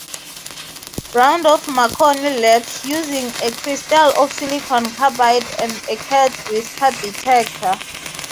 Round of Marconi Labs, using a crystal of silicon carbide and a cat's-whisker detector.